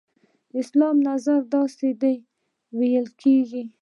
اسلام نظر داسې دی ویل کېږي.